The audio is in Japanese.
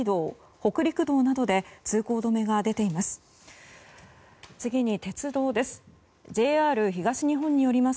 北陸道などで通行止めが出ています。